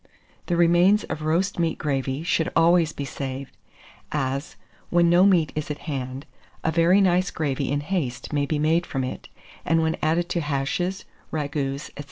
The remains of roast meat gravy should always be saved; as, when no meat is at hand, a very nice gravy in haste may be made from it, and when added to hashes, ragoûts, &c.